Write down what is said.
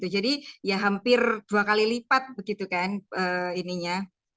jadi ya hampir dua kali lipat begitu kan ininya